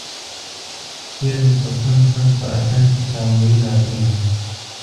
پیغلې په خوند خوند په اتڼ کې تاووي لاسونه